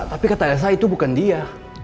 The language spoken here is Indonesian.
tapi kata elsa itu bukan dia